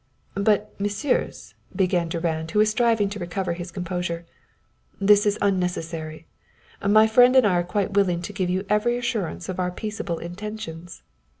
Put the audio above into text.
"But, Messieurs," began Durand, who was striving to recover his composure "this is unnecessary. My friend and I are quite willing to give you every assurance of our peaceable intentions."